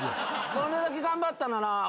これだけ頑張ったなら。